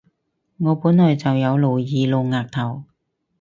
我本來就有露耳露額頭